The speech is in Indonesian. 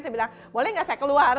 saya bilang boleh nggak saya keluar